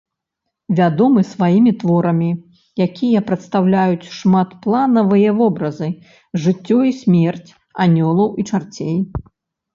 Вядомы сваімі творамі, якія прадстаўляюць шмапланавыя вобразы, жыццё і смерць, анёлаў і чарцей.